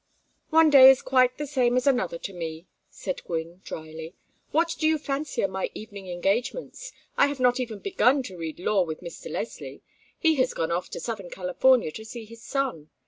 "One day is quite the same as another to me," said Gwynne, dryly. "What do you fancy are my evening engagements? I have not even begun to read law with Mr. Leslie; he has gone off to southern California to see his son.